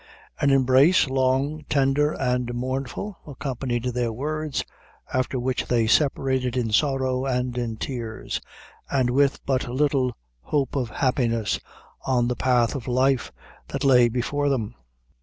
An embrace, long, tender, and mournful, accompanied their words, after which they separated in sorrow and in tears, and with but little hope of happiness on the path of life that lay before them.